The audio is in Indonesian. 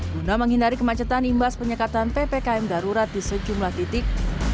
guna menghindari kemacetan imbas penyekatan ppkm darurat di sejumlah titik